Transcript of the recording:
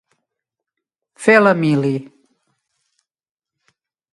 Fer la «mili».